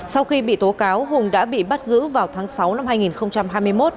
sau khi bị tố cáo hùng đã bị bắt giữ vào tháng sáu năm hai nghìn hai mươi một